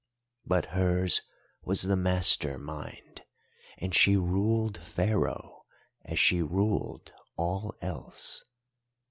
"But hers was the master mind, and she ruled Pharaoh as she ruled all else.